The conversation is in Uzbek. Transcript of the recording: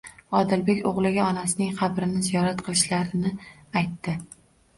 Odilbek o'g'liga onasining qabrini ziyorat qilishlarini aytdi